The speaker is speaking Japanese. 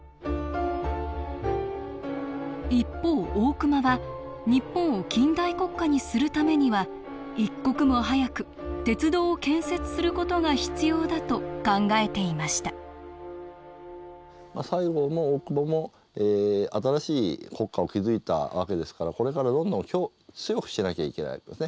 一方大隈は日本を近代国家にするためには一刻も早く鉄道を建設する事が必要だと考えていました西郷も大隈も新しい国家を築いたわけですからこれからどんどん強くしなきゃいけないわけですね。